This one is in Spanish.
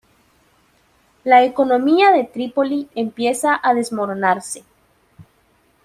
La economía de Trípoli empieza a desmoronarse.